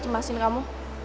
aku berhak untuk mencari kamu